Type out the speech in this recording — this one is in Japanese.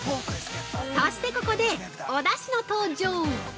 そしてここで、お出汁の登場。